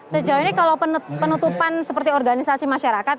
sejauh ini kalau penutupan seperti organisasi masyarakat